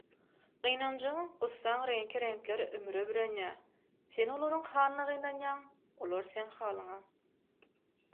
Gynanjyň, gussaň reňki – reňkler ümüre bürenýär, sen olaryň halyna gynanýaň, olar seň halyňa.